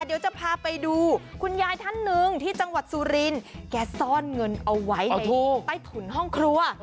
เดี๋ยวจะพาไปดูคุณยายท่านหนึ่งที่จังหวัดสุรินแกซ่อนเงินเอาไว้ในใต้ถุนห้องครัว